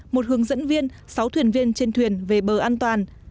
một hướng dẫn viên sáu thuyền viên trên thuyền về bờ an toàn